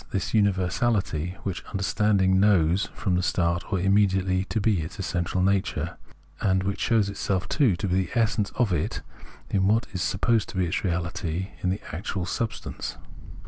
this universahty, which understanding knows from the start or immediately to be its essential nature, and which shows itself, too, to be the essence of it in what is supposed to be its reaHty, in the actual substances.